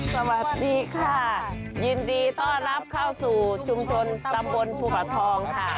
สวัสดีค่ะยินดีต้อนรับเข้าสู่ชุมชนตำบลภูผาทองค่ะ